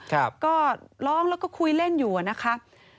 ก็ร้องแล้วก็คุยเล่นอยู่นะครับ